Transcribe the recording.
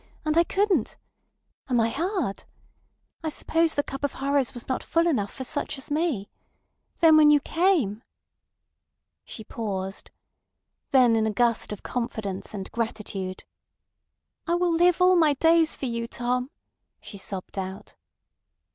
And I couldn't. Am I hard? I suppose the cup of horrors was not full enough for such as me. Then when you came. ..." She paused. Then in a gust of confidence and gratitude, "I will live all my days for you, Tom!" she sobbed out.